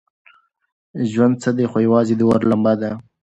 ژوند څه دی خو یوازې د اور لمبه ده.